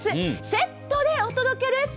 セットでお届けです。